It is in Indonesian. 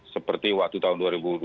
seperti waktu tahun dua ribu dua puluh